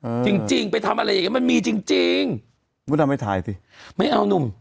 จริงจริงไปทำอะไรอย่างงี้มันมีจริงจริงมดดำไปถ่ายสิไม่เอานุ่ม